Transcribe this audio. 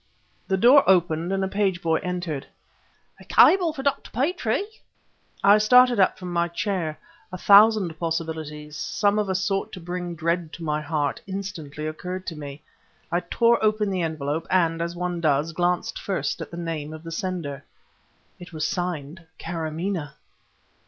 The door opened and a page boy entered. "A cable for Dr. Petrie." I started up from my chair. A thousand possibilities some of a sort to bring dread to my heart instantly occurred to me. I tore open the envelope and, as one does, glanced first at the name of the sender. It was signed "Kâramaneh!"